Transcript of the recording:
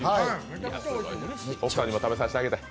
奥さんにも食べさせてあげたい？